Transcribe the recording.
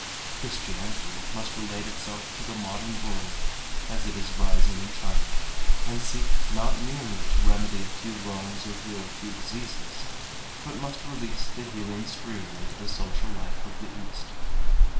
Christianity must relate itself to the modern world as it is rising in China and seek not merely to remedy a few wrongs or heal a few diseases, but must release the healing stream into the social life of the East.